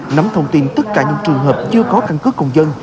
nắm thông tin tất cả những trường hợp chưa có căn cứ công dân